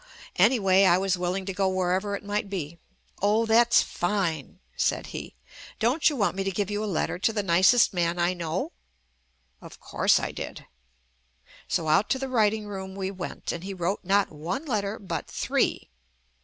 5 ' Anyway, I was willing to go wherever it might be. "Oh that's fine," said he. "Don't you want me to give you a letter to the nicest man I know?" Of course I did. So out to the writing room we went, and he wrote not one letter but three.